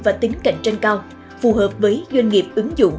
và tính cạnh tranh cao phù hợp với doanh nghiệp ứng dụng